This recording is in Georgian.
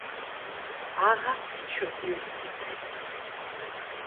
აღარც ჩრდილს იფენს